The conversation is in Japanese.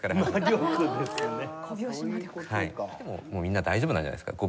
でももうみんな大丈夫なんじゃないですか？